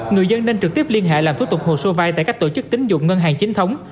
người dân nên trực tiếp liên hệ làm phương tục hồ sơ vay tại các tổ chức tín dụng ngân hàng